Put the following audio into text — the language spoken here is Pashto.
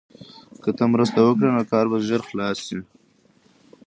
که ته مرسته وکړې نو کار به ژر خلاص شي.